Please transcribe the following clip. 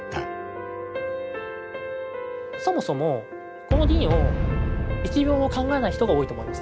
そもそもこの銀を１秒も考えない人が多いと思います